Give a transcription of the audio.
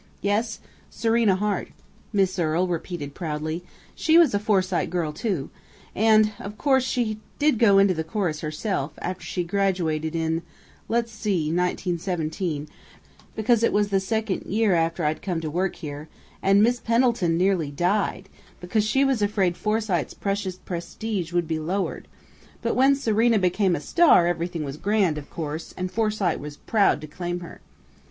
"Yes Serena Hart," Miss Earle repeated proudly. "She was a Forsyte girl, too, and of course she did go into the chorus herself, after she graduated in let's see 1917, because it was the second year after I'd come to work here and Miss Pendleton nearly died, because she was afraid Forsyte's precious prestige would be lowered, but when Serena became a star everything was grand, of course, and Forsyte was proud to claim her....